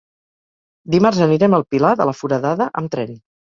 Dimarts anirem al Pilar de la Foradada amb tren.